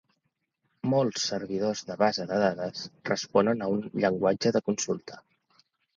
Molts servidors de base de dades responen a un llenguatge de consulta.